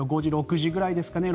５時６時ぐらいですかね。